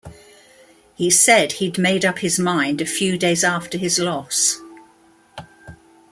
He said he'd made up his mind a few days after his loss.